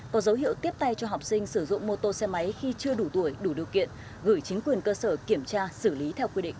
có dấu hiệu tiếp tay cho học sinh sử dụng mô tô xe máy khi chưa đủ tuổi đủ điều kiện gửi chính quyền cơ sở kiểm tra xử lý theo quy định